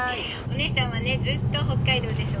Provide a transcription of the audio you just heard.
お姉さんはねずっと北海道です。